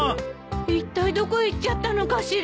いったいどこへ行っちゃったのかしら。